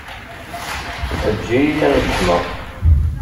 Ejj-iyi ad n-kecmeɣ.